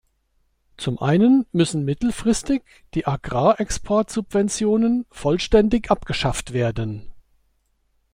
Zum einen müssen mittelfristig die Agrarexportsubventionen vollständig abgeschafft werden.